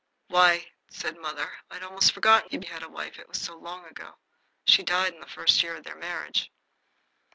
"Why," said mother, "I'd almost forgotten he had a wife, it was so long ago. She died in the first year of their marriage."